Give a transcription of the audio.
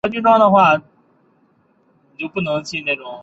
堂长为西蒙大司祭和菲古罗夫斯基大司祭。